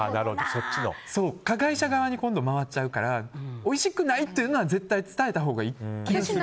加害者側に回っちゃうからおいしくないっていうのは絶対伝えたほうがいい気がする。